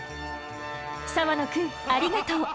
澤野くんありがとう！